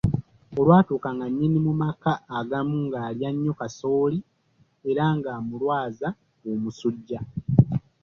Olwatuuka nga nnyinimu mu maka agamu ng'alya nnyo kasooli era ng'amulwaza omusujja.